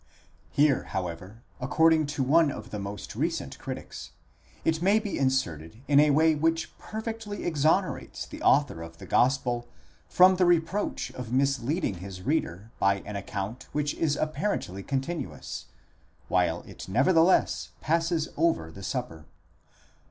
Here, however, according to one of the most recent critics, it may be inserted in a way which perfectly exonerates the author of the gospel from the reproach of misleading his reader by an account which is apparently continuous, while it nevertheless passes over the Supper.